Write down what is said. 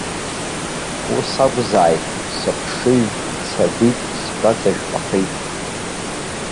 Ус акәзааит, сыхшыҩ, цагәит, сгәаҵәа жәпахеит.